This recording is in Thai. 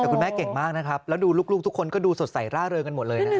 แต่คุณแม่เก่งมากนะครับแล้วดูลูกทุกคนก็ดูสดใสร่าเริงกันหมดเลยนะครับ